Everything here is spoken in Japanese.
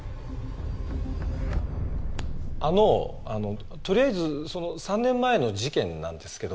あのとりあえずその３年前の事件なんですけど。